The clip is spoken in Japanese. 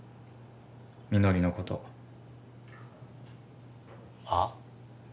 みのりのことはあ？